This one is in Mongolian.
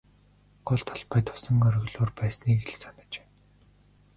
Гол талбайд усан оргилуур байсныг л санаж байна.